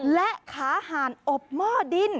และขาห่านอบหม้อดิน